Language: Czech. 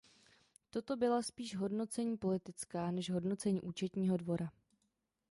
Toto byla spíš hodnocení politická než hodnocení Účetního dvora.